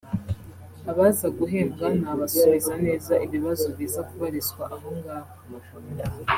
Abaza guhembwa n’abasubiza neza ibibazo biza kubarizwa aho ngaho